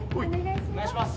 お願いします。